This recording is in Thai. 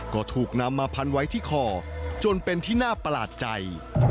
ก็ถูกนำมาพันไว้ที่คอจนเป็นที่น่าประหลาดใจ